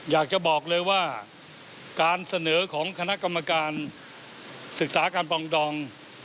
อยากจะบอกเลยว่าการเสนอของคณะกรรมการศึกษาการปองดอง